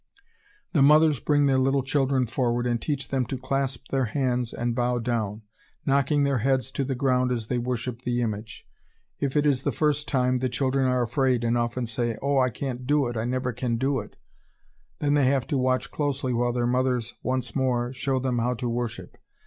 The mothers bring their little children forward, and teach them to clasp their hands and bow down, knocking their heads to the ground as they worship the image. If it is the first time, the children are afraid and often say, "Oh, I can't do it, I never can do it!" Then they have to watch closely while their mothers once more show them how to worship.